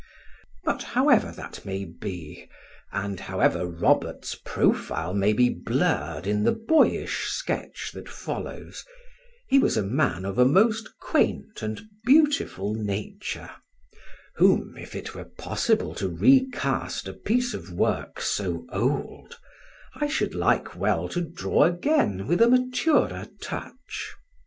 But however that may be, and however Robert's profile may be blurred in the boyish sketch that follows, he was a man of a most quaint and beautiful nature, whom, if it were possible to recast a piece of work so old, I should like well to draw again with a maturer touch.